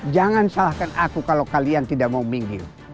jangan salahkan aku kalau kalian tidak mau minggil